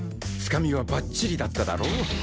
つかみはバッチリだっただろ？